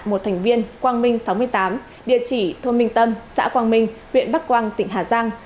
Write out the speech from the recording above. một thành viên quang minh sáu mươi tám địa chỉ thôn minh tâm xã quang minh huyện bắc quang tỉnh hà giang